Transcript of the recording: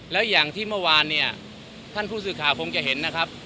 แล้วอย่างที่เมื่อวานเนี่ยท่านผู้สื่อข่าวคงจะเห็นนะครับ